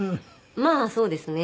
「まあそうですね」